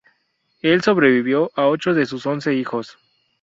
Él sobrevivió a ocho de sus once hijos.